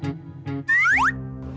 jangan terlalu banyak